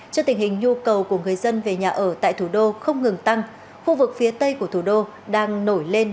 trước tình hình nhu cầu của người dân về nhà ở tại thủ đô không ngừng tăng khu vực phía tây của thủ đô đang nổi lên